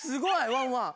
ワンワン！